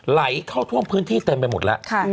ไหลเข้าท่วมพื้นที่เต็มไปหมดแล้ว